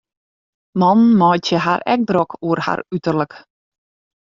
Mannen meitsje har ek drok oer har uterlik.